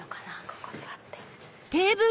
ここ座って。